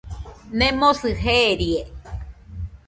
Nemosɨ jeerie.